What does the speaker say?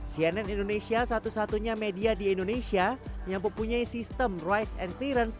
cnn indonesia satu satunya media di indonesia yang mempunyai sistem rice and clearance